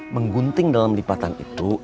menggunting dalam lipatan itu